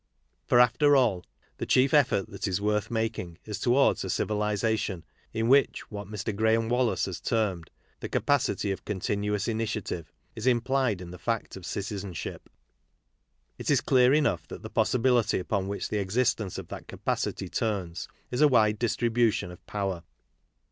For, after all, the chief effort that is worth making is towards a civilization in which what Mr. Graham Wallas has termed, " the capacity of con tinuous initiative," is implied iR the fact of citizenship. It is clear enough that the possibility upon which the existence of that capacity turns is a wide distribution of power.